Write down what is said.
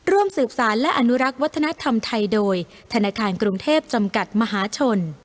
ร่วมสืบสารและอนุรักษ์วัฒนธรรมไทยโดยธนาคารกรุงเทพจำกัดมหาชน